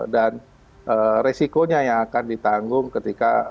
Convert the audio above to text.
resikonya yang akan ditanggung ketika